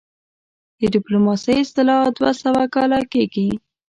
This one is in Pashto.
د ډيپلوماسۍ اصطلاح دوه سوه کاله کيږي